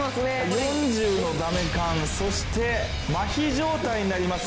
４０のダメカンそしてマヒ状態になります。